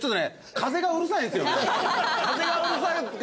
風がうるさくて。